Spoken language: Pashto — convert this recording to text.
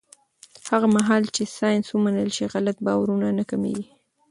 هغه مهال چې ساینس ومنل شي، غلط باورونه نه حاکمېږي.